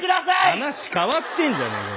話変わってんじゃねえか！